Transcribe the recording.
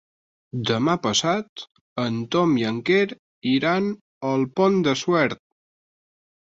Demà passat en Tom i en Quer iran al Pont de Suert.